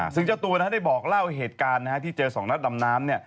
ซึ่งเจ้าตัวได้บอกเล่าเหตุการณ์ที่เจอ๒นัดดำน้ำ